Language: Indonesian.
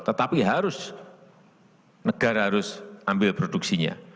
tetapi harus negara harus ambil produksinya